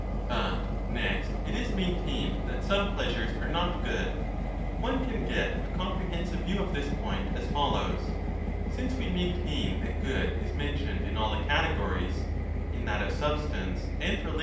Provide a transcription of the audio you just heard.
But next it is maintained ^ that some pleasures are not good. One can get a comprehensiv^e view of this point as follows. Since we maintain that good is mentioned in all the categories (in that of substance and relation and ^° 21 1205* 6 =£:. A'.